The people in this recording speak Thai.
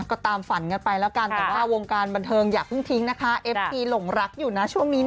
ก็ตามฝันกันไปแล้วกันแต่ว่าวงการบันเทิงอย่าพึ่งทิ้งนะคะ